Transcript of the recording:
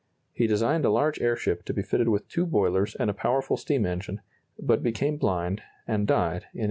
He designed a large airship to be fitted with two boilers and a powerful steam engine, but became blind, and died in 1882.